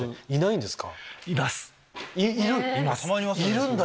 いるんだ！